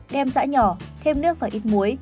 đem rã nhỏ thêm nước và ít muối